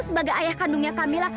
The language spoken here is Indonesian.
sebagai ayah kandungnya kamila